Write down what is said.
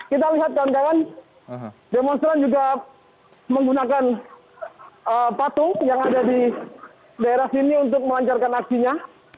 kita lihat kawan kawan demonstran juga menggunakan patung yang ada di daerah sini untuk melancarkan aksinya